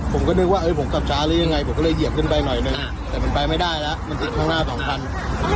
ผมก็นึกว่าผมกลับช้าหรือยังไงผมก็เลยเหยียบขึ้นไปหน่อยนึงแต่มันไปไม่ได้แล้วมันติดข้างหน้าสองคัน